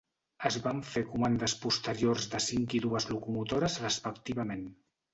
Es van fer comandes posteriors de cinc i dues locomotores respectivament.